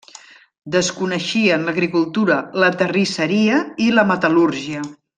Desconeixien l'agricultura, la terrisseria i la metal·lúrgia.